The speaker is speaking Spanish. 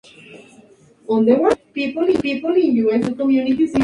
Fue internacional, por primera vez, frente a Argelia.